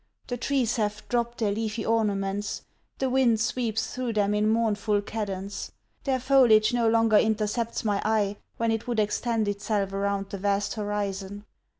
The trees have dropped their leafy ornaments; the wind sweeps through them in mournful cadence. Their foliage no longer intercepts my eye when it would extend itself around the vast horizon.